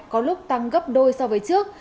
có lúc tăng gấp đôi so với trước